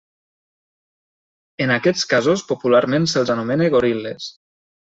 En aquests casos popularment se'ls anomena goril·les.